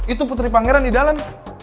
itu putri pangeran di dalam